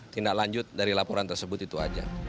tindak lanjut dari laporan tersebut itu aja